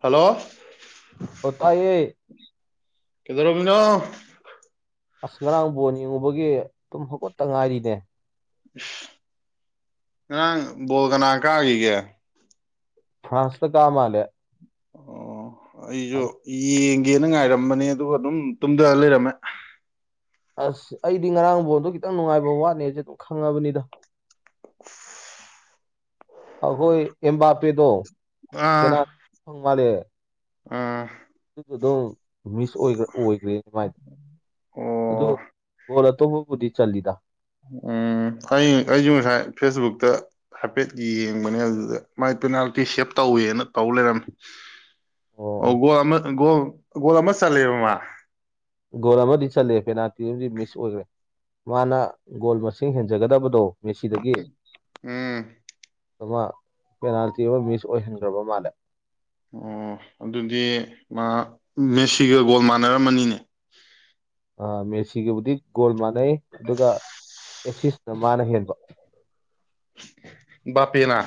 Hello ꯑꯣ ꯇꯥꯏꯌꯦ ꯀꯩꯗꯧꯔꯝꯃꯤꯅꯣ ꯑꯁ ꯉꯔꯥꯡ ꯕꯣꯟ ꯌꯦꯡꯉꯨꯕꯒꯤ ꯇꯨꯝ ꯍꯧꯒꯠꯇ ꯉꯥꯏꯔꯤꯅꯦ ꯉꯔꯥꯡ ꯕꯣꯜ ꯀꯅꯥ ꯀꯥꯒꯤꯒꯦ ꯐ꯭ꯔꯥꯟꯁꯅ ꯀꯥ ꯃꯥꯜꯂꯦ ꯑꯣ ꯑꯩꯖꯨ ꯑꯅꯤ- ꯌꯦꯡꯒꯦꯅ ꯉꯥꯏꯔꯝꯕꯅꯦ ꯑꯗꯨꯒ ꯑꯗꯨꯝ ꯇꯨꯝꯗꯔꯥ ꯂꯩꯔꯝꯃꯦ ꯑꯁ ꯑꯩꯗꯤ ꯉꯔꯥꯡ ꯕꯣꯟꯗꯣ ꯈꯤꯇꯪ ꯅꯨꯡꯉꯥꯏꯕ ꯋꯥꯠꯅꯦꯖꯦ ꯑꯗꯨꯝ ꯈꯪꯉꯕꯅꯤꯗ [unintelligible] ꯑꯩꯈꯣꯏ ꯑꯦꯝꯕꯥꯄꯦꯗꯣ ꯄꯦꯅꯥꯜ ꯐꯪ ꯃꯥꯜꯂꯦ ꯎꯝ [unintelligible] ꯃꯤꯁ ꯑꯣꯏ ꯑꯣꯏꯒ꯭ꯔꯦ ꯃꯥꯏꯗꯣ ꯑꯗꯨ ꯑꯣ ꯕꯣꯜ ꯑꯇꯣꯞꯄꯕꯨꯗꯤ ꯆꯜꯂꯤꯗ ꯎꯝ ꯑꯩ ꯑꯩꯖꯨ ꯉꯁꯥꯏ ꯐꯦꯁꯕꯨꯛꯇ ꯍꯥꯏꯐꯦꯠ ꯌꯦꯡꯕꯅꯦ ꯑꯗꯨꯗ ꯃꯥꯏ ꯄꯦꯅꯥꯜꯇꯤ ꯁꯦꯞ ꯇꯧꯋꯦꯅ ꯇꯧ ꯂꯩꯔꯝ ꯑꯣ ꯒꯣꯜ ꯑꯃ ꯒꯣ ꯒꯣꯜ ꯑꯃ ꯆꯜꯂꯦꯕ ꯃꯥ ꯒꯣꯜ ꯑꯃꯗꯤ ꯆꯜꯂꯦ ꯄꯦꯅꯥꯜꯇꯤ ꯑꯝꯗꯤ ꯃꯤꯁ ꯑꯣꯏꯒ꯭ꯔꯦ ꯃꯥꯅ ꯒꯣꯜ ꯃꯁꯤꯡ ꯍꯦꯟꯖꯒꯗꯕꯗꯣ ꯃꯦꯁꯤꯗꯒꯤ ꯎꯝ ꯑꯃ ꯄꯦꯅꯥꯜꯇꯤ ꯑꯃ ꯃꯤꯁ ꯑꯣꯏꯍꯟꯒ꯭ꯔꯕ ꯃꯥꯜꯂꯦ ꯑꯣ ꯑꯗꯨꯗꯤ ꯃꯥ ꯃꯦꯁꯤꯒ ꯒꯣꯜ ꯃꯥꯟꯅꯔꯝꯃꯅꯤꯅꯦ ꯑꯥ ꯃꯦꯁꯤꯒꯕꯨꯗꯤ ꯒꯣꯜ ꯃꯥꯟꯅꯩ ꯑꯗꯨꯒ ꯑꯦꯁꯤꯁꯅ ꯃꯥꯅ ꯍꯦꯟꯕ ꯕꯥꯄꯦꯅ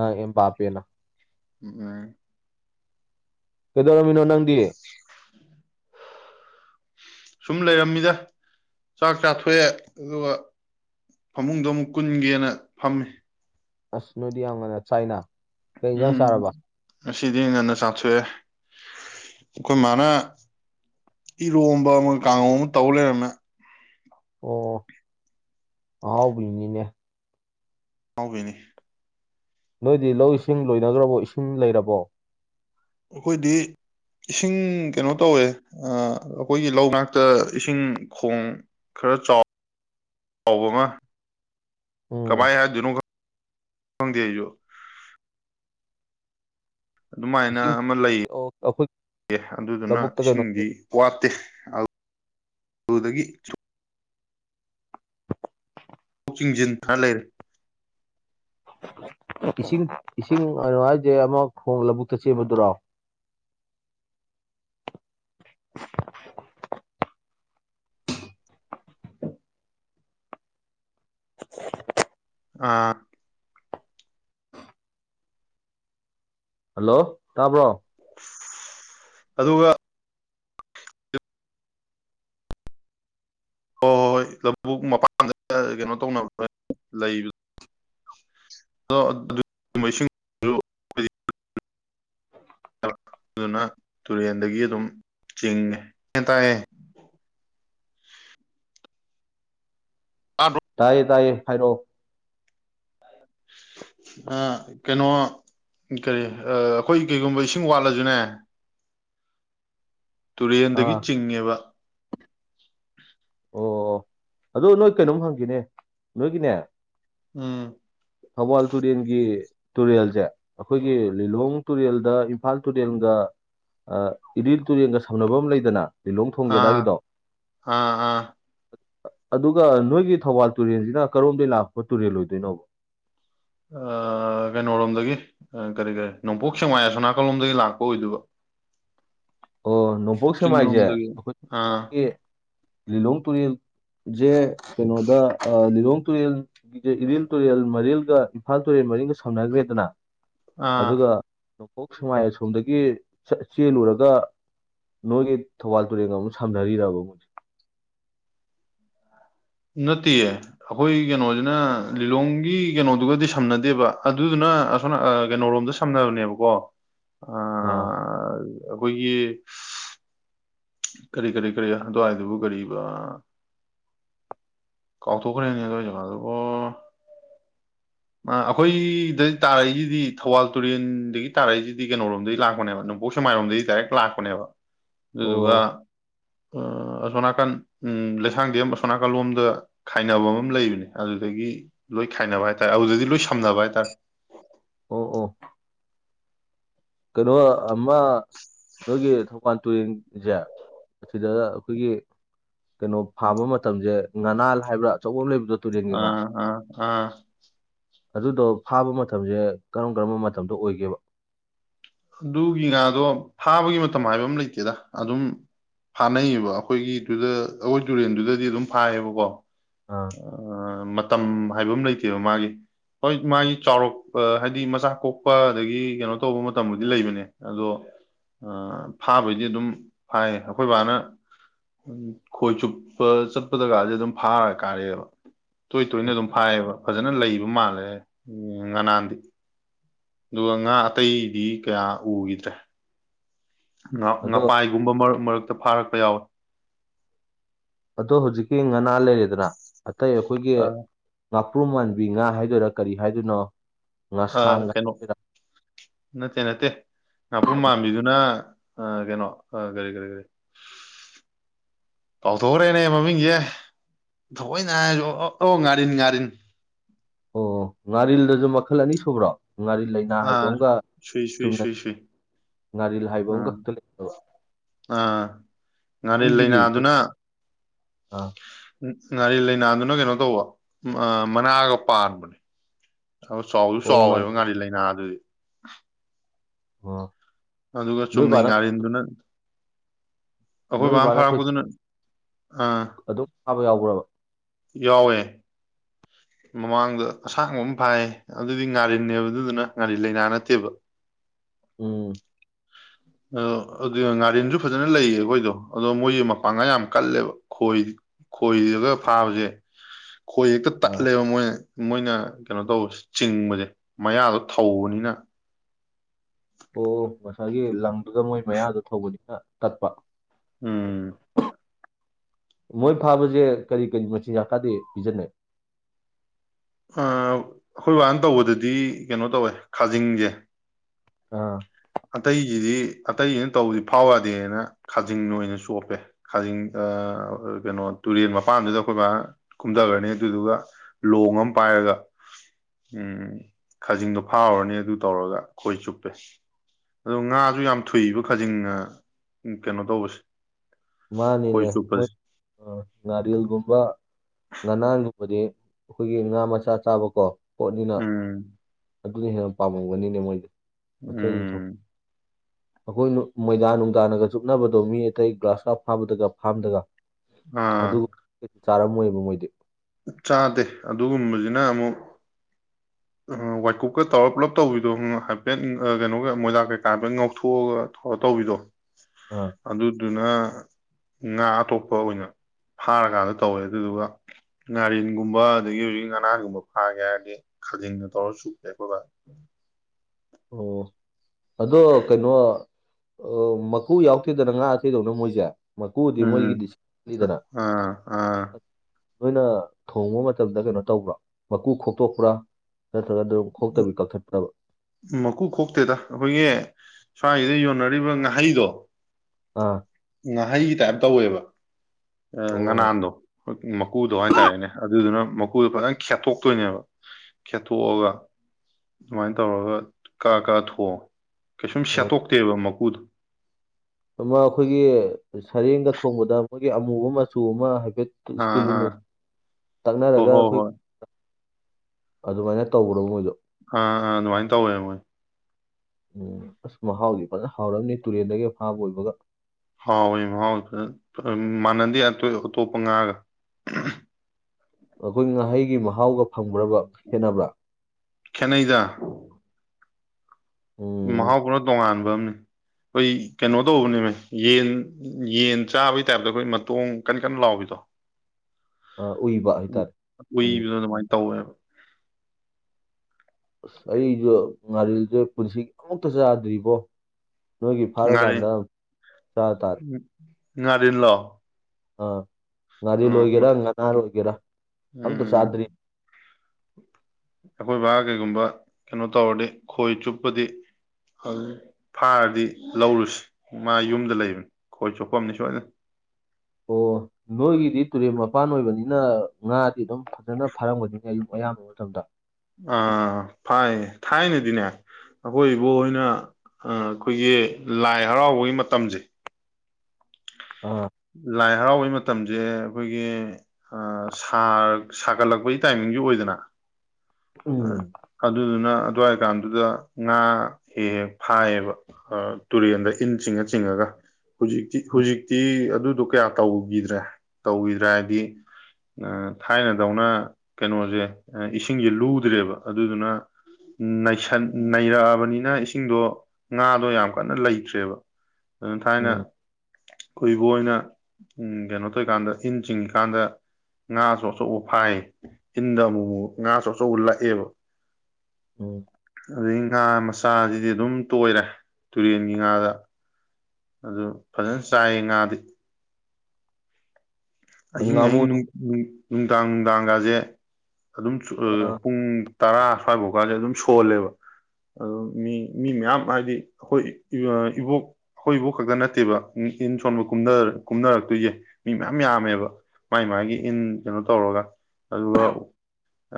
ꯑꯥ ꯑꯦꯝꯕꯥꯄꯦꯅ ꯎꯝ ꯀꯩꯗꯧꯔꯝꯃꯤꯅꯣ ꯅꯪꯗꯤ ꯁꯨꯝ ꯂꯩꯔꯝꯃꯤꯗ ꯆꯥꯛ ꯆꯥꯊꯣꯛꯑꯦ ꯑꯗꯨꯒ ꯐꯃꯨꯡꯗꯣ ꯑꯃꯨꯛ ꯀꯨꯟꯒꯦꯅ ꯐꯝꯃꯤ ꯑꯁ ꯅꯣꯏꯗꯤ ꯌꯥꯝ ꯉꯟꯅ ꯆꯥꯏꯅ ꯀꯩ ꯏꯟꯖꯥꯡ ꯎꯝ ꯆꯥꯔꯕ ꯉꯁꯤꯗꯤ ꯉꯟꯅ ꯆꯥꯊꯣꯛꯑꯦ ꯑꯩꯈꯣꯏ ꯃꯥꯅ ꯏꯔꯣꯝꯕ ꯑꯃ ꯀꯥꯡꯍꯧ ꯑꯃ ꯇꯧ ꯂꯩꯔꯝꯃꯦ ꯑꯣ ꯑꯍꯥꯎꯕꯤꯅꯤꯅꯦ ꯍꯥꯎꯕꯤꯅꯤ ꯅꯣꯏꯗꯤ ꯂꯧ ꯏꯁꯤꯡ ꯂꯣꯏꯅꯒ꯭ꯔꯕꯣ ꯏꯁꯤꯡ ꯂꯩꯔꯕꯣ ꯑꯩꯈꯣꯏꯗꯤ ꯏꯁꯤꯡ ꯀꯩꯅꯣ ꯇꯧꯋꯦ ꯑꯥ ꯑꯩꯈꯣꯏꯒꯤ ꯂꯧ ꯃꯅꯥꯛꯇ ꯏꯁꯤꯡ ꯈꯣꯡ ꯈꯔ ꯆꯥꯎ꯬꯬ ꯆꯥꯎꯕ ꯑꯃ ꯎꯝ ꯀꯃꯥꯏꯟ ꯍꯥꯏꯌꯗꯣꯏꯅꯣ ꯈꯡꯗꯦ ꯑꯩꯁꯨ ꯑꯗꯨꯃꯥꯏꯅ ꯏꯁꯤꯡ ꯑꯃ ꯂꯩ ꯑꯣ ꯑꯩꯈꯣꯏ ꯑꯗꯨꯗꯨꯅ ꯂꯧꯕꯨꯛꯇ ꯀꯩꯅꯣ ꯏꯁꯤꯡꯗꯤ ꯋꯥꯠꯇꯦ ꯑꯗꯨꯗꯒꯤ ꯏꯁꯤꯡꯁꯦ ꯑꯗꯨꯝ ꯊꯜꯂ ꯂꯩꯔꯦ ꯏꯁꯤꯡ ꯏꯁꯤꯡ ꯅꯨꯡꯉꯥꯏꯁꯦ ꯑꯃꯥ ꯈꯣꯡ ꯂꯧꯕꯨꯛꯇ ꯆꯦꯟꯕꯗꯨꯔꯣ ꯑꯥ ꯍꯜꯂꯣ ꯇꯥꯕ꯭ꯔꯣ ꯑꯗꯨꯒ ꯍꯣꯏ ꯍꯣꯏ ꯍꯣꯏ ꯂꯧꯕꯨꯛ ꯃꯄꯥꯟꯗ ꯀꯩꯅꯣ ꯇꯧꯅꯕ ꯂꯩꯕꯗꯨ ꯑꯣ ꯑꯗꯨ [unintelligible] ꯑꯗꯨꯅ ꯇꯨꯔꯦꯟꯗꯒꯤ ꯑꯗꯨꯝ ꯆꯤꯡꯉꯦ ꯇꯥꯏꯑꯦ ꯇꯥꯗ꯭ꯔꯣ ꯇꯥꯏꯌꯦ ꯇꯥꯏꯌꯦ ꯍꯥꯏꯔꯛꯑꯣ [unintelligible] ꯑꯥ ꯀꯩꯅꯣ ꯀꯔꯤ ꯑꯥ ꯑꯩꯈꯣꯏ ꯀꯩꯒꯨꯝꯕ ꯏꯁꯤꯡ ꯋꯥꯠꯂꯁꯨꯅꯦ ꯇꯨꯔꯦꯟꯗꯒꯤ ꯑꯥ ꯆꯤꯡꯉꯦꯕ ꯑꯣ ꯑꯣ ꯑꯗꯨ ꯅꯣꯏ ꯀꯩꯅꯣꯝ ꯍꯪꯒꯦꯅꯦ ꯅꯣꯏꯒꯤꯅꯦ ꯎꯝ ꯊꯧꯕꯥꯜ ꯇꯨꯔꯦꯜꯒꯤ ꯇꯨꯔꯦꯜꯁꯦ ꯑꯩꯈꯣꯏꯒꯤ ꯂꯤꯂꯣꯡ ꯇꯨꯔꯦꯜꯗ ꯏꯝꯐꯥꯜ ꯇꯨꯔꯦꯜꯒ ꯑꯥ ꯏꯔꯤꯜ ꯇꯨꯔꯦꯜꯒ ꯁꯝꯅꯕꯝ ꯂꯩꯗꯅ ꯂꯤꯂꯣꯡ ꯊꯣꯡꯒꯤ ꯑꯥ ꯑꯗꯥꯏꯒꯤꯗꯣ ꯑꯥ ꯑꯥ ꯑꯗꯨꯒ ꯅꯣꯏꯒꯤ ꯊꯧꯕꯥꯜ ꯇꯨꯔꯦꯜꯁꯤꯅ ꯀꯔꯣꯝꯗꯩ ꯂꯥꯛꯄ ꯇꯨꯔꯦꯜ ꯑꯣꯏꯗꯣꯏꯅꯣ ꯑꯥ ꯀꯩꯅꯣꯔꯣꯝꯗꯒꯤ ꯀꯔꯤ ꯀꯔꯤ ꯅꯣꯡꯄꯣꯛ ꯁꯦꯡꯃꯥꯏ ꯑꯁꯣꯝ ꯅꯥꯀꯜꯂꯣꯝꯗꯒꯤ ꯂꯥꯛꯄ ꯑꯣꯏꯗꯣꯢꯕ [inaudible] ꯑꯣ ꯅꯣꯡꯄꯣꯛ ꯁꯦꯛꯃꯥꯏꯁꯦ ꯆꯤꯡꯂꯣꯝꯗꯒꯤ ꯑꯥ ꯑꯩꯈꯣꯏꯒꯤ ꯂꯤꯂꯣꯡ ꯇꯨꯔꯦꯜ ꯖꯦ ꯀꯩꯅꯣꯗ ꯑꯥ ꯂꯤꯂꯣꯡ ꯇꯨꯔꯦꯜ ꯖꯦ ꯏꯔꯤꯜ ꯇꯨꯔꯦꯜ ꯃꯔꯤꯜꯒ ꯏꯝꯐꯥꯜ ꯇꯨꯔꯦꯜ ꯃꯔꯤꯜꯒ ꯁꯝꯅꯈ꯭ꯔꯦꯗꯅ ꯑꯥ ꯑꯗꯨꯒ ꯅꯣꯡꯄꯣꯛ ꯁꯦꯛꯃꯥꯏ ꯑꯁꯣꯝꯗꯒꯤ ꯆꯦꯜꯂꯨꯔꯒ ꯅꯣꯏꯒꯤ ꯊꯧꯕꯥꯜ ꯇꯨꯔꯦꯟꯒ ꯑꯃꯨꯛ ꯁꯝꯅꯔꯤꯔꯕ ꯑꯃꯨꯛ ꯅꯦꯠꯇꯦꯌꯦ ꯑꯩꯈꯣꯏ ꯀꯩꯅꯣꯁꯤꯅ ꯂꯤꯂꯣꯡꯒꯤ ꯀꯩꯅꯣꯗꯨꯒꯗꯤ ꯁꯝꯅꯗꯦꯕ ꯑꯗꯨꯗꯨꯅ ꯑꯁꯣꯝ ꯀꯩꯅꯣꯔꯣꯝꯗ ꯁꯝꯅꯕꯅꯦꯕ ꯀꯣ ꯑꯥ ꯑꯥ ꯑꯥ ꯑꯩꯈꯣꯏꯒꯤ ꯀꯔꯤ ꯀꯔꯤ ꯀꯔꯤ ꯑꯗꯨꯋꯥꯏꯗꯨꯕꯨ ꯀꯔꯤꯑꯕ ꯀꯥꯎꯊꯣꯛꯈ꯭ꯔꯦꯅꯦ ꯑꯗꯨꯋꯥꯢ ꯖꯒꯥꯗꯨ ꯑꯣ ꯑꯩꯈꯣꯏꯗ ꯇꯥꯔꯛꯏꯁꯤꯗꯤ ꯊꯧꯕꯥꯜ ꯇꯨꯔꯦꯜꯗꯒꯤ ꯇꯥꯔꯛꯏꯁꯤꯗꯤ ꯀꯩꯅꯣꯔꯣꯝꯗꯒꯤ ꯂꯥꯛꯄꯅꯦꯕ ꯅꯣꯡ ꯄꯣꯛ ꯁꯦꯛꯃꯥꯏꯔꯣꯝꯗꯒꯤ ꯗꯥꯏꯔꯦꯛ ꯂꯥꯛꯄꯅꯦꯕ ꯑꯗꯨꯗꯨꯒ ꯑꯣ ꯑꯥ ꯑꯁꯣꯝ ꯅꯥꯀꯟ ꯎꯝ ꯂꯩꯁꯥꯡꯊꯦꯝ ꯑꯁꯣꯝ ꯅꯥꯀꯟ ꯂꯣꯝꯗ ꯈꯥꯏꯅꯕꯝ ꯑꯃ ꯂꯩꯕꯅꯦ ꯑꯗꯨꯗꯒꯤ ꯂꯣꯏ ꯈꯥꯏꯅꯕ ꯍꯥꯏ ꯇꯥꯔꯦ ꯑꯗꯨꯗꯗꯤ ꯂꯣꯏ ꯁꯝꯅꯕ ꯍꯥꯏ ꯇꯥꯔꯦ ꯑꯣ ꯑꯣ ꯀꯩꯅꯣ ꯑꯃ ꯅꯣꯏꯒꯤ ꯊꯧꯕꯥꯟ ꯇꯨꯔꯦꯟꯁꯦ ꯑꯁꯤꯗ ꯑꯩꯈꯣꯏꯒꯤ ꯀꯩꯅꯣ ꯐꯥꯝꯕ ꯃꯇꯝꯁꯦ ꯉꯅꯥꯜ ꯍꯥꯏꯕ꯭ꯔꯥ ꯑꯆꯧꯕ ꯑꯃ ꯂꯩꯕꯗꯣ ꯇꯨꯔꯦꯟꯒꯤ ꯉꯥ ꯑꯥ ꯑ ꯑꯥ꯫ ꯑꯗꯨꯗꯣ ꯐꯥꯕ ꯃꯇꯝꯁꯦ ꯀꯔꯝ ꯀꯔꯝꯕ ꯃꯇꯝꯗ ꯑꯣꯏꯒꯦꯕ꯫ ꯑꯗꯨꯒꯤ ꯉꯥꯗꯣ ꯐꯥꯕꯒꯤ ꯃꯇꯝ ꯍꯥꯏꯕ ꯑꯃ ꯂꯩꯇꯦꯗ ꯑꯗꯨꯝ ꯐꯥꯅꯩꯕ ꯑꯩꯈꯣꯏꯒꯤꯗꯨꯗ ꯑꯩꯈꯣꯏ ꯇꯨꯔꯦꯟꯗꯨꯗꯗꯤ ꯑꯗꯨꯝ ꯐꯥꯏꯌꯦꯕꯀꯣ꯫ ꯑꯥ ꯑ ꯃꯇꯝ ꯍꯥꯏꯕ ꯑꯃ ꯂꯩꯇꯦꯕ ꯃꯥꯒꯤ꯫ ꯍꯣꯏ ꯃꯥꯒꯤ ꯆꯥꯎꯔꯛ ꯑ ꯍꯥꯏꯗꯤ ꯃꯆꯥ ꯀꯣꯛꯄ ꯑꯗꯒꯤ ꯀꯩꯅꯣ ꯇꯧꯕ ꯃꯇꯝꯕꯨꯗꯤ ꯂꯩꯕꯅꯦ꯫ ꯑꯗꯣ ꯑ ꯐꯥꯕꯩꯗꯤ ꯑꯗꯨꯝ ꯐꯥꯏ ꯑꯩꯈꯣꯏ ꯕꯥꯅ ꯎꯝ ꯈꯣꯏ ꯆꯨꯞꯄ ꯆꯠꯄꯗꯒꯥꯁꯦ ꯑꯗꯨꯝ ꯐꯥꯔꯒ ꯀꯥꯔꯥꯛꯑꯦꯕ ꯇꯣꯏ ꯇꯣꯏꯅ ꯑꯗꯨꯝ ꯐꯥꯏꯌꯦꯕ ꯐꯖꯅ ꯂꯩꯕ ꯃꯥꯜꯂꯦꯍꯦ ꯎꯝ ꯉꯥꯅꯥꯟꯗꯤ꯫ ꯑꯗꯨꯒ ꯉꯥ ꯑꯇꯩꯗꯤ ꯀꯌꯥ ꯎꯈꯤꯗ꯭ꯔꯦ꯫ ꯑꯗꯣ ꯉꯥ-ꯉꯥꯄꯥꯏꯒꯨꯝꯕ ꯃꯔꯛ ꯃꯔꯛꯇ ꯐꯥꯔꯛꯄ ꯌꯥꯎꯋꯦ꯫ ꯑꯗꯣ ꯍꯧꯖꯤꯛꯀꯤ ꯉꯥꯅꯥꯟ ꯂꯩꯔꯦꯗꯅ ꯑꯇꯩ ꯑꯩꯈꯣꯏꯒꯤ ꯑ ꯉꯥꯄ꯭ꯔꯨꯝ ꯃꯥꯟꯕꯤ ꯉꯥ ꯍꯥꯏꯗꯣꯏꯔꯥ ꯀꯔꯤ ꯍꯥꯏꯗꯣꯏꯅꯣ꯫ ꯑꯥ ꯉꯥꯁꯥꯡꯒ ꯀꯩꯅꯣ ꯍꯥꯏꯗꯣꯏꯔꯥ ꯅꯠꯇꯦ ꯅꯠꯇꯦ꯫ ꯉꯥꯄ꯭ꯔꯨꯝ ꯃꯥꯟꯕꯤꯗꯨꯅ ꯑ ꯀꯩꯅꯣ ꯑ ꯀꯔꯤ ꯀꯔꯤ ꯀꯔꯤ꯫ ꯀꯥꯎꯊꯣꯛꯈ꯭ꯔꯦꯅꯦ ꯃꯃꯤꯡꯁꯦ꯫ ꯊꯑꯣꯏꯅ ꯍꯥꯏꯔꯁꯨ ꯑꯣ ꯑꯣ ꯉꯥꯔꯤꯟ ꯉꯥꯔꯤꯟ꯫ ꯑꯣ ꯉꯥꯔꯤꯜꯗꯁꯨ ꯃꯈꯜ ꯑꯅꯤ ꯁꯨꯕ꯭ꯔꯣ ꯉꯥꯔꯤꯜ ꯂꯩꯥꯅꯥ ꯍꯥꯏꯕ ꯑꯥ ꯑꯃꯒ ꯁꯨꯏ ꯁꯨꯏ ꯆꯨꯝꯅ ꯁꯨꯏ ꯁꯨꯏ ꯉꯥꯔꯤꯜ ꯍꯥꯏꯕ ꯑꯃꯒ ꯑꯥ ꯈꯛꯇ ꯂꯩꯕ꯭ꯔꯕ꯫ ꯑꯥ ꯉꯥꯔꯤꯜ ꯂꯩꯅꯥꯗꯨꯅ ꯑ꯫ ꯎ ꯉꯥꯔꯤꯜ ꯂꯩꯅꯥꯗꯨꯅ ꯀꯩꯅꯣ ꯇꯧꯕ ꯑ ꯃꯅꯥꯒ ꯄꯥꯟꯕꯅꯦ꯫ ꯑ ꯆꯥꯎꯁꯨ ꯆꯥꯎꯋꯦꯕ ꯉꯥꯔꯤꯜ ꯂꯩꯅꯥ ꯗꯨꯗꯤ꯫ ꯑꯣ꯫ ꯑꯗꯨꯒ ꯅꯣꯏ ꯆꯨꯝꯅꯩ ꯕꯥꯅ ꯉꯥꯔꯤꯟꯗꯨꯅ ꯑꯩꯈꯣꯏ ꯕꯥꯅ ꯐꯥꯔꯛꯄꯗꯨꯅ ꯑ ꯑꯗꯨꯝ ꯐꯥꯕ ꯌꯥꯎꯕ꯭ꯔꯕ꯫ ꯌꯥꯎꯋꯦ꯫ ꯃꯃꯥꯡꯗ ꯑꯁꯥꯡꯕ ꯑꯃ ꯐꯥꯏꯌꯦ ꯑꯗꯨꯗꯤ ꯉꯥꯔꯤꯟꯅꯦꯕ ꯑꯗꯨꯗꯨꯅ ꯉꯥꯔꯤꯟ ꯂꯩꯅꯥ ꯅꯠꯇꯦꯕ꯫ ꯎꯝ꯫ ꯑ ꯑꯗꯨꯒ ꯉꯥꯔꯤꯟꯁꯨ ꯐꯖꯅ ꯂꯩꯌꯦ ꯑꯩꯈꯣꯏꯗꯣ ꯑꯗꯣ ꯃꯣꯏꯁꯦ ꯃꯄꯥꯡꯒꯟ ꯌꯥꯝ ꯀꯜꯂꯦꯕ ꯈꯣꯏꯗꯤ ꯈꯣꯏꯗꯒ ꯐꯥꯕꯁꯦ ꯈꯣꯏ ꯍꯦꯛꯇ ꯑꯥ ꯇꯠꯂꯦꯕ ꯃꯣꯏ ꯃꯣꯏꯅ ꯀꯩꯅꯣ ꯇꯧꯕꯁꯦ ꯆꯤꯡꯕꯁꯦ ꯃꯌꯥꯗꯣ ꯊꯧꯕꯅꯤꯅ꯫ ꯑꯣ ꯉꯁꯥꯏꯒꯤ ꯂꯪꯗꯨꯒ ꯃꯣꯏ ꯃꯌꯥꯗꯣ ꯊꯧꯕꯅꯤꯅ ꯇꯠꯄ꯫ ꯎꯝ꯫ ꯃꯣꯏ ꯐꯥꯕꯁꯦ ꯀꯔꯤ ꯀꯔꯤ ꯃꯆꯤꯟꯖꯥꯛ ꯀꯥꯗꯤ ꯄꯤꯖꯅꯩ꯫ ꯑꯥ ꯑꯩꯈꯣꯏ ꯕꯥꯅ ꯇꯧꯕꯗꯗꯤ ꯀꯩꯅꯣ ꯇꯧꯋꯦ ꯈꯖꯤꯡꯁꯦ꯫ ꯑ꯫ ꯑꯇꯩꯒꯤꯗꯤ ꯑꯇꯩꯁꯤꯅ ꯇꯧꯕꯗꯤ ꯐꯥꯎ ꯌꯥꯗꯦꯅ ꯈꯖꯤꯡꯅ ꯑꯣꯏꯅ ꯆꯣꯞꯄꯦ꯫ ꯈꯖꯤꯡ ꯑ ꯀꯩꯅꯣ ꯇꯨꯔꯦꯟ ꯃꯄꯥꯟꯗꯨꯗ ꯑꯩꯈꯣꯏ ꯕꯥꯅ ꯀꯨꯝꯊꯈ꯭ꯔꯅꯤ ꯑꯗꯨꯏꯗꯨꯒ ꯂꯣꯡ ꯑꯃ ꯄꯥꯏꯔꯒ ꯎꯝ ꯈꯖꯤꯡꯗꯣ ꯐꯥꯎꯔꯨꯔꯅꯤ ꯑꯗꯨ ꯇꯧꯔꯒ ꯈꯣꯏ ꯆꯨꯞꯄꯦ꯫ ꯑꯗꯣ ꯉꯥꯁꯨ ꯌꯥꯝ ꯊꯨꯏꯕ ꯈꯖꯤꯡꯅ ꯀꯩꯅꯣ ꯇꯧꯕꯁꯦ꯫ ꯈꯣꯏ ꯃꯥꯅꯤꯅꯦ ꯃꯣꯏ ꯆꯨꯞꯄꯁꯦ ꯑ ꯉꯥꯔꯤꯜꯒꯨꯝꯕ ꯉꯅꯥꯟꯒꯨꯝꯕꯗꯤ ꯑꯩꯈꯣꯏꯒꯤ ꯉꯥ ꯃꯆꯥ ꯆꯥꯕꯀꯣ꯫ ꯄꯣꯠꯅꯤꯅ ꯎꯝ ꯑꯗꯨꯅ ꯍꯦꯟꯅ ꯄꯥꯝꯃꯝꯒꯅꯤꯅꯦ ꯃꯣꯏꯗꯤ ꯑꯇꯩꯒꯤꯁꯨ ꯎꯝ ꯑꯩꯈꯣꯏꯅ ꯃꯣꯏꯗꯥ ꯅꯨꯡꯗꯥꯅꯒ ꯆꯨꯞꯅꯕꯗꯣ ꯃꯤ ꯑꯇꯩ ꯒ꯭ꯂꯥꯁ ꯀꯥꯞ ꯐꯥꯕꯗꯒ ꯐꯥꯝꯗꯒ ꯑꯥ ꯑꯗꯨꯒ ꯆꯥꯔꯝꯃꯣꯏꯕ ꯃꯣꯏꯗꯤ ꯆꯥꯗꯦ ꯑꯗꯨꯒꯨꯝꯕꯁꯤꯅ ꯑꯃꯨꯛ ꯋꯥꯏꯀꯨꯞꯀ ꯇꯧꯔꯒ ꯄꯨꯂꯞ ꯇꯧꯕꯤꯗꯣ ꯍꯥꯏꯐꯦꯠ ꯀꯩꯅꯣꯒ ꯃꯣꯏꯗꯥ ꯀꯩꯀꯥ ꯍꯥꯏꯐꯦꯠ ꯉꯧꯊꯣꯛꯑꯒ ꯇꯧꯕꯤꯗꯣ [inaudible] ꯑ ꯑꯗꯨꯗꯨꯅ ꯉꯥ ꯑꯇꯣꯞꯄ ꯑꯣꯏꯅ ꯐꯥꯔꯀꯥꯟꯗ ꯇꯧꯋꯦ ꯑꯗꯨꯗꯨꯒ ꯉꯥꯔꯤꯟꯒꯨꯝꯕ ꯑꯗꯒꯤ ꯍꯧꯖꯤꯛ ꯉꯥꯅꯥꯟꯒꯨꯝꯕ ꯐꯥꯒꯦ ꯍꯥꯏꯔꯗꯤ ꯈꯥꯖꯤꯡꯅ ꯇꯧꯔ ꯆꯨꯞꯄꯦ ꯑꯈꫭꯏꯕꯥꯗꯤ ꯑꯣ ꯑꯗꯣ ꯀꯩꯅꯣ ꯃꯀꯨ ꯌꯥꯎꯇꯦꯗꯅ ꯉꯥ ꯑꯇꯩꯗꯧꯅ ꯃꯣꯏꯁꯦ ꯃꯀꯨꯗꯤ ꯎꯝ ꯃꯣꯏꯒꯤꯗꯤ [unintelligible] ꯑꯥ ꯑꯥ ꯅꯣꯏꯅ ꯊꯣꯡꯕ ꯃꯇꯝꯗ ꯀꯩꯅꯣ ꯇꯧꯕ꯭ꯔꯥ ꯃꯀꯨ ꯈꯣꯛꯇꯣꯛꯄ꯭ꯔꯥ ꯅꯠꯇ꯭ꯔꯒ ꯑꯗꯨꯝ ꯈꯣꯛꯇꯕꯤ ꯀꯛꯊꯠꯄ꯭ꯔꯕ ꯃꯀꯨ ꯈꯣꯛꯇꯦꯗ ꯑꯩꯈꯣꯏꯒꯤ ꯁ꯭ꯋꯥꯏꯁꯤꯗ ꯌꯣꯟꯅꯔꯤꯕ ꯉꯥꯍꯩꯗꯣ ꯑꯥ ꯉꯥꯍꯩꯒꯤ ꯇꯥꯏꯞ ꯇꯧꯋꯦꯕ ꯑꯣ ꯉꯅꯥꯟꯗꯣ ꯃꯀꯨꯗꯣ ꯍꯥꯏꯇꯥꯔꯦꯅꯦ ꯑꯗꯨꯗꯨꯅ ꯃꯀꯨꯗꯣ ꯈꯤꯇꯪ ꯈꯦꯠꯇꯣꯛꯇꯣꯏꯅꯦꯕ ꯈꯦꯠꯇꯣꯛꯑꯒ ꯑꯗꯨꯃꯥꯏꯅ ꯇꯧꯔꯒ ꯀꯥꯛꯑ ꯀꯥꯛꯑ ꯊꯣꯡ ꯀꯩꯁꯨꯝ ꯑꯣ ꯁꯦꯠꯇꯣꯛꯇꯦꯕ ꯃꯀꯨꯗꯣ ꯑꯃ ꯑꯩꯈꯣꯏꯒꯤ ꯁꯔꯦꯡꯒ ꯊꯣꯡꯕꯗ ꯃꯣꯏꯒꯤ ꯑꯃꯨꯕ ꯃꯆꯨ ꯑꯃ ꯍꯥꯏꯐꯦꯠ ꯑꯥ ꯏꯁꯇꯤꯜꯂꯨꯟ ꯑꯥ ꯍꯣ ꯇꯛꯅꯔꯒ ꯍꯣ ꯑꯩꯈꯣꯏ ꯍꯣꯏ ꯑꯗꯨꯃꯥꯏꯅ ꯇꯧꯕ꯭ꯔꯣ ꯃꯣꯏꯗꯣ ꯑ ꯑ ꯑꯗꯨꯃꯥꯏꯅ ꯇꯧꯋꯦ ꯃꯣꯏ ꯎꯝ ꯑꯁ ꯃꯍꯥꯎꯗꯤ ꯐꯖꯅ ꯍꯥꯎꯔꯝꯅꯤ ꯇꯨꯔꯦꯟꯗꯒꯤ ꯑꯐꯥꯕ ꯑꯣꯏꯕꯒ ꯍꯥꯎꯋꯦ ꯃꯍꯥꯎꯋ ꯃꯥꯟꯅꯗꯦ ꯑꯇꯣꯞꯄ ꯉꯥꯒ ꯑꯩꯈꯣꯏ ꯉꯥꯍꯩꯒꯤ ꯃꯍꯥꯎꯒ ꯐꯪꯕ꯭ꯔꯕ ꯈꯦꯠꯅꯕ꯭ꯔꯥ ꯈꯦꯟꯅꯩꯗ ꯎꯝ ꯃꯍꯥꯎ ꯄꯨꯔꯥ ꯇꯣꯉꯥꯟꯕ ꯑꯝꯅꯤ ꯑꯩꯈꯣꯏ ꯀꯩꯅꯣ ꯇꯧꯕꯅꯦꯕ ꯌꯦꯟ ꯌꯦꯟ ꯆꯥꯕꯩ ꯇꯥꯏꯞꯇ ꯑꯩꯈꯣꯏ ꯃꯇꯣꯡ ꯀꯟ ꯀꯟꯅ ꯂꯥꯎꯕꯤꯗꯣ ꯑꯥ ꯎꯏꯕ ꯍꯥꯏꯇꯥꯔꯦ ꯎꯝ ꯎꯏꯕꯗꯣ ꯑꯗꯨꯃꯥꯏꯅ ꯇꯧꯋꯦꯕ ꯑꯁ ꯑꯩꯁꯨ ꯉꯥꯔꯤꯜꯁꯦ ꯄꯨꯟꯁꯤꯒꯤ ꯑꯃꯨꯛꯇ ꯆꯥꯗ꯭ꯔꯤꯕꯣ ꯅꯣꯏꯒꯤ ꯉꯥꯔꯤꯟ ꯐꯥꯔꯀꯥꯟꯗ ꯆꯥ ꯇꯥꯔꯦ ꯉꯥꯔꯤꯟ ꯂꯣ ꯑꯥ ꯉꯥꯔꯤꯟ ꯎꯝ ꯑꯣꯏꯒꯦꯔꯥ ꯉꯥꯥꯅꯥꯟ ꯑꫭꯏꯒꯦꯔꯥ ꯑꯝꯇ ꯆꯥꯗ꯭ꯔꯤ ꯑꯩꯈꯣꯏ ꯕꯥ ꯀꯩꯒꯨꯝꯕ ꯀꯩꯅꯣ ꯇꯧꯔꯗꯤ ꯈꯣꯏ ꯆꯨꯞꯄꯗꯤ ꯐꯥꯔꯗꯤ ꯂꯧꯔꯨꯁꯤ ꯃꯥ ꯌꯨꯝꯗ ꯂꯩꯕꯅꯤ ꯈꯣꯏ ꯆꯣꯞꯄꯝꯅꯤ ꯁꯣꯏꯗꯅ ꯑꯣ ꯅꯣꯏꯒꯤꯗꯤ ꯇꯨꯔꯦꯜ ꯃꯄꯥꯟ ꯑꯣꯏꯕꯅꯤꯅ ꯉꯥꯗꯤ ꯑꯗꯨꯝ ꯐꯖꯅ ꯐꯔꯝꯒꯅꯤꯅꯦ ꯑꯗꯨꯝ ꯑꯌꯥꯝꯕ ꯃꯇꯝꯗ ꯑ ꯑ ꯐꯥꯏ ꯊꯥꯏꯅꯦꯗꯤꯅ ꯑꯩꯈꯣꯏ ꯏꯕꫭꯛꯍꫭꯏꯅ ꯑ ꯑꯩꯈꯣꯏꯒꯤ ꯂꯥꯏ ꯍꯔꯥꯎꯕꯒꯤ ꯃꯇꯝꯁꯦ ꯑꯥ ꯂꯥꯏ ꯍꯔꯥꯎꯕꯩ ꯃꯇꯝꯁꯦ ꯑꯩꯈꯣꯏꯒꯤ ꯑꯥ ꯁꯥ ꯁꯥꯒꯠꯂꯛꯄꯒꯤ ꯇꯥꯏꯃꯤꯡꯗꯤ ꯑꯣꯏꯗꯅ ꯎꯝ ꯑꯗꯨꯏꯗꯨꯅ ꯑꯗꯨꯋꯥꯏ ꯀꯥꯟꯗꯨꯗ ꯉꯥ ꯍꯦꯛ ꯍꯦꯛ ꯐꯥꯏꯌꯦꯕ ꯑ ꯇꯨꯔꯦꯟꯗ ꯏꯟ ꯆꯤꯡꯉ ꯆꯤꯡꯉꯒ ꯍꯧꯖꯤꯛꯇꯤ ꯎꯝ ꯍꯧꯖꯤꯛꯇꯤ ꯑꯗꯨꯗꯣ ꯀꯌꯥ ꯇꯧꯒꯤꯗ꯭ꯔꯦ ꯇꯧꯒꯤꯗ꯭ꯔꯦ ꯍꯥꯏꯗꯤ ꯑ ꯊꯥꯏꯅꯗꯧꯅ ꯀꯩꯅꯣꯁꯦ ꯑ ꯏꯁꯤꯡꯁꯦ ꯂꯨꯗ꯭ꯔꯦꯕ ꯑꯗꯨꯗꯨꯅ ꯅꯩꯁꯟ ꯅꯩꯔꯛꯑꯕꯅꯤꯅ ꯏꯁꯤꯡꯗꯣ ꯉꯥꯗꯣ ꯌꯥꯝ ꯀꯟꯅ ꯂꯩꯇ꯭ꯔꯦꯕ ꯑꯗꯨꯅ ꯊꯥꯏꯅ ꯎꯝ ꯈꯣꯏ ꯏꯕꯣꯛ ꯍꯣꯏꯅ ꯎ ꯀꯩꯅꯣ ꯇꯧꯔꯤꯀꯥꯟꯗ ꯏꯟ ꯆꯤꯡꯉꯤꯀꯥꯟꯗ ꯉꯥꯁꯨ ꯑꯆꯧꯕ ꯐꯥꯏ ꯏꯟꯗ ꯑꯃꯨꯃꯨꯛ ꯉꯥ ꯑꯆꯧ ꯑꯆꯧꯕ ꯂꯛꯑꯦꯕ ꯎꯝ ꯑꯗꯨꯗꯒꯤ ꯉꯥ ꯃꯆꯥꯁꯤꯗꯤ ꯑꯗꯨꯝ ꯇꯣꯏꯔꯦ ꯇꯨꯔꯦꯟꯒꯤ ꯉꯥꯗ ꯑꯗꯨ ꯐꯖꯅ ꯆꯥꯏꯌꯦ ꯉꯥꯗꯤ ꯎꯝ ꯑꯍꯤꯡ ꯉꯥꯃꯨ ꯑꯍꯤꯡ ꯅꯨꯡ ꯅꯨꯡꯗꯥꯡ ꯅꯨꯡꯗꯥꯡꯒꯁꯦ ꯑꯗꯨꯝ ꯑ ꯑꯥ ꯄꯨꯡ ꯇꯔꯥ ꯁ꯭ꯋꯥꯏꯐꯥꯎ ꯀꯥꯟꯁꯦ ꯑꯗꯨꯝ ꯁꯣꯜꯂꯦꯕ ꯑꯗꯣ ꯃꯤ ꯃꯌꯥꯝ ꯍꯥꯏꯗꯤ ꯑꯩꯈꯣꯏ ꯑ ꯏꯕꯣꯛ ꯑꯩꯈꯣꯏ ꯏꯕꯣꯛ ꯈꯛꯇ ꯅꯠꯇꯦꯕ ꯏꯟ ꯁꯣꯟꯕ ꯀꯨꯝꯅ ꯀꯨꯝꯅꯔꯛꯇꯣꯏꯁꯦ ꯃꯤ ꯃꯌꯥꯝ ꯌꯥꯝꯃꯦꯕ ꯃꯥꯏ ꯃꯥꯒꯤ ꯏꯟ ꯀꯩꯅꯣ ꯇꯧꯔꯒ ꯑꯗꯨꯒ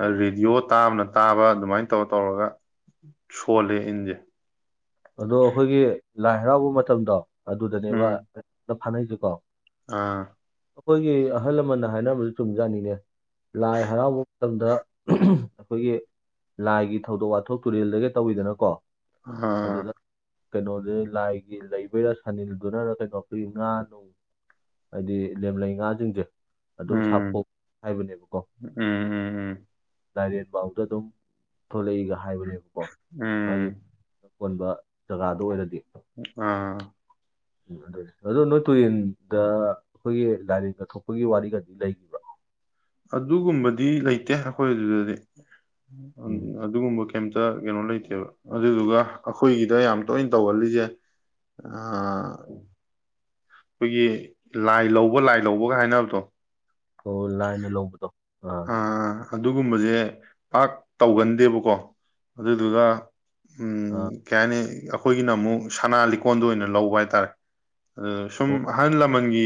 ꯑ ꯔꯦꯗꯤꯑꯣ ꯇꯥꯕꯅ ꯇꯥꯕ ꯑꯗꯨꯃꯥꯏꯅ ꯇꯧꯔ ꯇꯧꯔꯒ ꯁꯣꯜꯂꯦ ꯏꯟꯁꯦ ꯑꯗꯣ ꯑꯩꯈꯣꯏꯒꯤ ꯂꯥꯏ ꯍꯔꯥꯎꯕ ꯃꯇꯝꯗꯣ ꯑꯗꯨꯗꯅꯦꯕ ꯎꯝ ꯍꯦꯛꯇ ꯐꯥꯅꯩꯁꯤꯀꯣ ꯑꯥ ꯑꯩꯈꯣꯏꯒꯤ ꯑꯍꯜ ꯂꯃꯟꯅ ꯍꯥꯏꯅꯕꯗꯨ ꯆꯨꯝꯖꯥꯠꯅꯤꯅꯦ ꯂꯥꯏ ꯍꯔꯥꯎꯕ ꯃꯇꯝꯗ ꯑꯩꯈꯣꯏꯒꯤ ꯂꯥꯏꯒꯤ ꯊꯧꯗꯣꯛ ꯋꯥꯊꯣꯛ ꯇꯨꯔꯦꯜꯗꯒ ꯇꯧꯋꯤꯗꯅꯀꯣ [unintelligible] ꯑꯗꯨꯗ ꯀꯩꯅꯣꯁꯦ ꯂꯥꯏꯒꯤ ꯂꯩꯕꯩꯔ ꯁꯥꯅꯤꯜꯗꯨꯅ ꯀꯩꯅꯣ ꯑꯩꯈꯣꯏ ꯉꯥ ꯅꯨꯡ ꯍꯥꯏꯗꯤ ꯂꯦꯝꯂꯩ ꯉꯥꯁꯤꯡꯁꯦ ꯑꯗꯨꯝ ꯎꯝ ꯁꯥꯄꯣꯛ ꯍꯥꯏꯕꯅꯦꯕꯀꯣ ꯎꯝ ꯎꯝ ꯎꯝ ꯂꯥꯏꯔꯦꯟ ꯐꯥꯎꯗ ꯑꯗꯨꯝ ꯊꯣꯛꯂꯛꯏꯒ ꯍꯥꯏꯕꯅꯦꯕꯀꯣ ꯃꯥꯒꯤ ꯎꯝ ꯑꯀꯣꯟꯕ ꯖꯒꯥꯗꯣ ꯑꯣꯏꯔꯗꯤ ꯑ ꯑꯗꯨꯅꯦ ꯑꯗꯣ ꯅꯣꯏ ꯇꯨꯔꯦꯟꯗ ꯑꯩꯈꯣꯏꯒꯤ ꯂꯥꯏꯔꯦꯟꯒ ꯊꯣꯛꯄꯒꯤ ꯋꯥꯔꯤꯒꯗꯤ ꯂꯩꯒꯤ ꯑꯗꯨꯒꯨꯝꯕꯗꯤ ꯂꯩꯇꯦ ꯑꯈꯣꯏ ꯑꯗꯨꯗꯗꯤ ꯎꯝ ꯑꯗꯨꯒꯨꯝꯕ ꯀꯩꯝꯇ ꯀꯩꯅꯣ ꯂꯩꯇꯦꯕ ꯑꯗꯨꯗꯨꯒ ꯑꯈꯣꯏꯒꯤꯗ ꯌꯥꯝ ꯇꯣꯏꯅ ꯇꯧꯒꯜꯂꯤꯖꯦ ꯑ ꯑꯈꯣꯏꯒꯤ ꯂꯥꯏ ꯂꯧꯕ ꯂꯥꯏ ꯂꯧꯕꯒ ꯀꯥꯏ ꯍꯥꯏꯅꯕꯗꯣ ꯑꯣ ꯂꯥꯏꯅ ꯂꯧꯕꯗꯣ ꯑꯥ ꯑꯥ ꯑꯗꯨꯒꯨꯝꯕꯁꯦ ꯄꯥꯛ ꯇꯧꯒꯟꯗꯦꯕꯀꯣ ꯑꯗꯨꯗꯨꯒ ꯎꯝ ꯑꯥ ꯀꯩ ꯍꯥꯏꯅꯤ ꯑꯈꯣꯏꯒꯤꯅ ꯑꯃꯨꯛ ꯁꯅꯥ ꯂꯤꯛꯀꯣꯟꯗ ꯑꯣꯏꯅ ꯂꯧꯕ ꯍꯥꯏꯇꯥꯔꯦ ꯑꯗꯨ ꯁꯨꯝ ꯑꯣ ꯑꯍꯟ ꯂꯝ ꯂꯃꯜꯒꯤ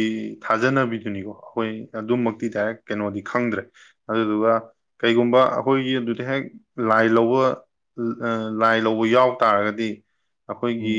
ꯊꯥꯖꯅꯕꯤꯗꯨꯅꯤꯀꯣ ꯑꯈꯣꯏ ꯑꯗꯨꯃꯛꯇꯤ ꯗꯥꯏꯔꯦꯛ ꯀꯩꯅꯣꯗꯤ ꯈꯪꯗ꯭ꯔꯦ ꯑꯗꯨꯗꯨꯒ ꯀꯩꯒꯨꯝꯕ ꯑꯈꯣꯏꯒꯤ ꯑꯗꯨꯗ ꯍꯦꯛ ꯂꯥꯏ ꯂꯧꯕ ꯂꯥꯏ ꯂꯧꯕ ꯌꯥꯎ ꯇꯥꯔꯒꯗꯤ ꯎꯝ ꯑꯈꯣꯏꯒꯤ